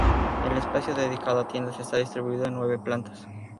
El espacio dedicado a tiendas está distribuido en nueve plantas.